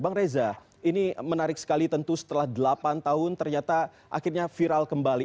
bang reza ini menarik sekali tentu setelah delapan tahun ternyata akhirnya viral kembali